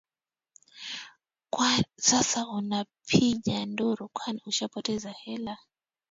Sasa unapiga nduru kwani ushapoteza hela.